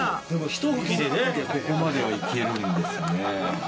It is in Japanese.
ひと拭きでここまでいけるんですね。